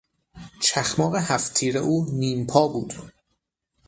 چخماق هفت تیر او نیم پا بود.